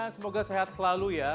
semoga sehat selalu ya